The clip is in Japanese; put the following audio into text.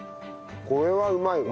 これはうまいわ。